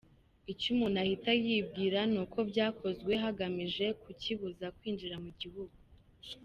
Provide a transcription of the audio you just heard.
Icyo umuntu ahita yibwira ni uko byakozwe hagamijwe kukibuza kwinjira mu gihugu.